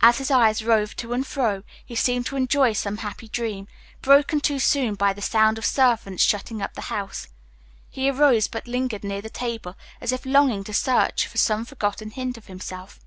As his eye roved to and fro, he seemed to enjoy some happy dream, broken too soon by the sound of servants shutting up the house. He arose but lingered near the table, as if longing to search for some forgotten hint of himself.